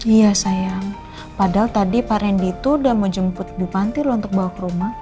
iya sayang padahal tadi pak rendy itu udah mau jemput di pantir untuk bawa ke rumah